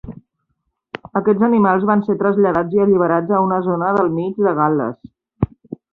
Aquests animals van ser traslladats i alliberats a una zona del mig de Gal·les.